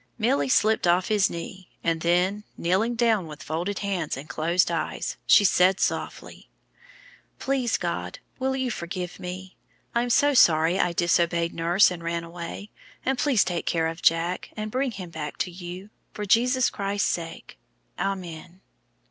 Milly slipped off his knee, and then, kneeling down with folded hands and closed eyes, she said softly, "Please God, will you forgive me! I'm so sorry I disobeyed nurse and ran away. And please take care of Jack, and bring him back to you, for Jesus Christ's sake. Amen."